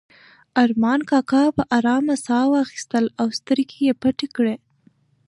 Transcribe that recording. ارمان کاکا په ارامه ساه واخیسته او سترګې یې پټې کړې.